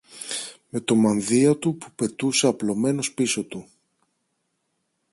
με το μανδύα του που πετούσε απλωμένος πίσω του